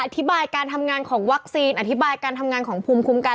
อธิบายการทำงานของวัคซีนอธิบายการทำงานของภูมิคุ้มกัน